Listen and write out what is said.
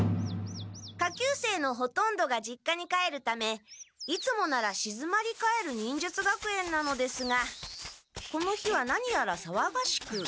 下級生のほとんどが実家に帰るためいつもならしずまり返る忍術学園なのですがこの日は何やらさわがしく。